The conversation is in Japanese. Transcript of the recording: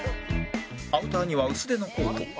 アウターには薄手のコート